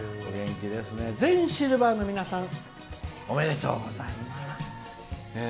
シルバーの皆さんおめでとうございます。